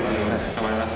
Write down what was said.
頑張ります